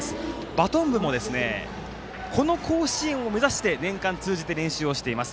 バトン部もこの甲子園を目指して年間通じて練習をしています。